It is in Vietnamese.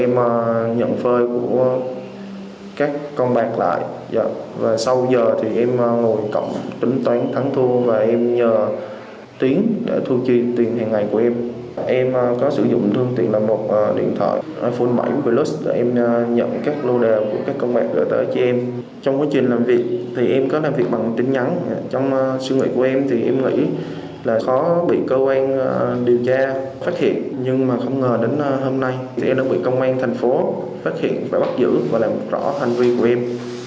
là khó bị công an điều tra phát hiện nhưng mà không ngờ đến hôm nay sẽ được bị công an thành phố phát hiện phải bắt giữ và làm rõ hành vi của em